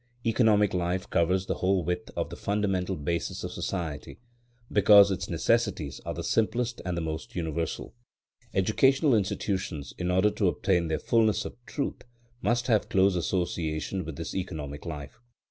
Economic life covers the whole width of the fundamental basis of society, because its necessities are the simplest and the most universal. Educational institutions, in order to obtain their fulness of truth, must have close association with this economic life.